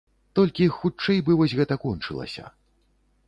Толькі хутчэй бы вось гэта кончылася.